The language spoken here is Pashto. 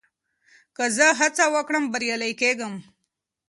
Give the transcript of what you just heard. که زه هڅه وکړم، بريالی کېږم.